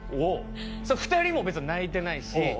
２人も別に泣いてないし。